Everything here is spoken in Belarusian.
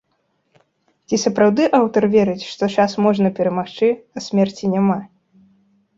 Ці сапраўды аўтар верыць, што час можна перамагчы, а смерці няма?